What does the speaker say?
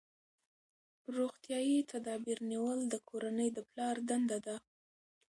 روغتیايي تدابیر نیول د کورنۍ د پلار دنده ده.